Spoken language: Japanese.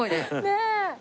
ねえ。